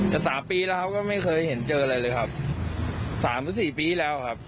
แต่สามปีแล้วเขาก็ไม่เคยเห็นเจออะไรเลยครับสามถึงสี่ปีแล้วครับ